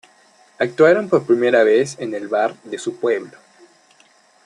Actuaron por primera vez en el bar de su pueblo.